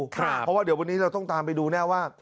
เพราะว่าเดี๋ยววันนี้เราต้องตามไปดูแน่ว่า